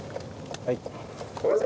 はい。